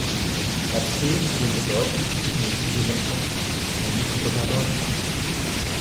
Er zählt zu den bedeutendsten Menhiren Hessens, wenn nicht sogar Deutschlands.